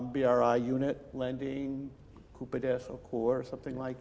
menuju unit bri membeli kupades atau core atau sesuatu seperti itu